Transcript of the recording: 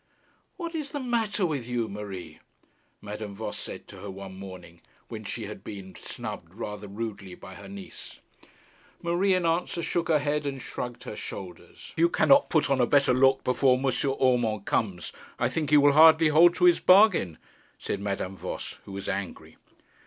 'What is the matter with you, Marie?' Madame Voss said to her one morning, when she had been snubbed rather rudely by her niece. Marie in answer shook her head and shrugged her shoulders. 'If you cannot put on a better look before M. Urmand comes, I think he will hardly hold to his bargain,' said Madame Voss, who was angry.